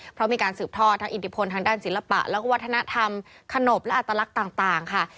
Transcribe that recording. เพราะมีการสืบทอดทั้งอิทธิพลทางด้านศิลปะแล้วก็วัฒนธรรมขนบและอัตลักษณ์ต่างค่ะ